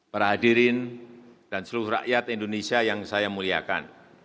perhadirin dan seluruh rakyat indonesia yang saya muliakan